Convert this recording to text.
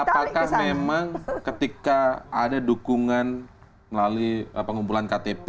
apakah memang ketika ada dukungan melalui pengumpulan ktp